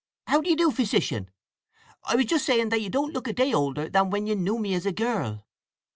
How do you do, Physician? I was just saying that you don't look a day older than when you knew me as a girl."